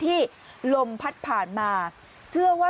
พี่ทำยังไงฮะ